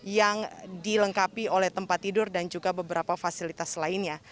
yang dilengkapi oleh tempat tidur dan juga beberapa fasilitas lainnya